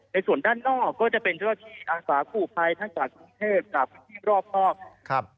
ในส่วนด้านนอกก็จะเป็นธุรกิจอาศาสตร์ผู้ภัยทั้งจากกรุงเทพฯกับพื้นที่รอบ